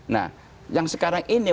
nah yang sekarang ini